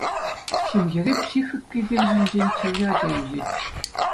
Ҫемьере психика тӗлӗшӗнчен чирлӗ ача ӳсет.